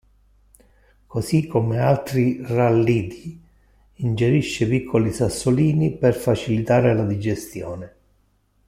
Così come altri Rallidi, ingerisce piccoli sassolini per facilitare la digestione.